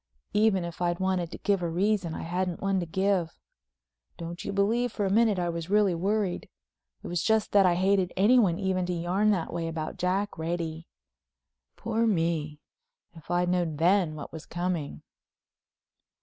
Even if I'd wanted to give a reason I hadn't one to give. Don't you believe for a minute I was really worried—it was just that I hated anyone even to yarn that way about Jack Reddy. Poor—me—if I'd known then what was coming!